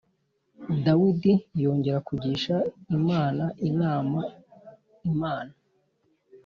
Dawidi yongera kugisha imana inama imana